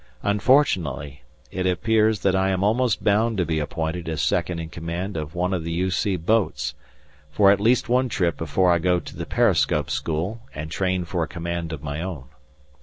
Unfortunately, it appears that I am almost bound to be appointed as second in command of one of the U.C. boats, for at least one trip before I go to the periscope school and train for a command of my own.